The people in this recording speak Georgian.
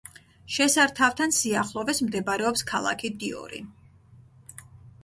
შესართავთან სიახლოვეს მდებარეობს ქალაქი დიორი.